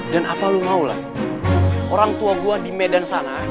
dan apa lo mau lah orang tua gue di medan sana